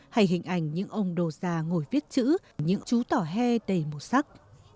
hay hình ảnh những ông đồ già ngồi viết chữ những chú tỏ he đầy màu sắc